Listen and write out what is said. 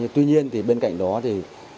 tuy nhiên thì bên cạnh đó thì